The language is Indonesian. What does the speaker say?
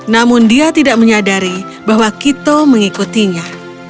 namun dia tidak menyadari bahwa kito mengikutinya